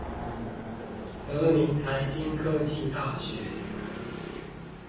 德明財經科技大學